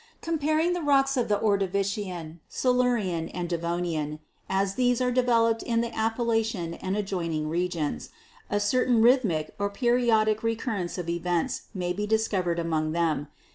"Comparing the rocks of the Ordovician, Silurian and Devonian as these are developed in the Appalachian and adjoining regions, a certain rhythmic or periodic recur rence of events may be discovered among them.